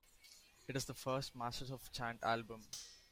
It is the first "Masters of Chant" album.